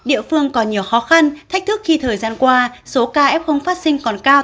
y tế phường còn nhiều khó khăn thách thức khi thời gian qua số ca f phát sinh còn cao